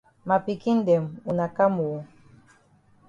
Ma pikin dem wuna kam oo.